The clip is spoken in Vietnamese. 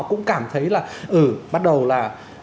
cũng cảm thấy là ừ bắt đầu là